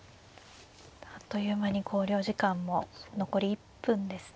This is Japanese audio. あっという間に考慮時間も残り１分ですね。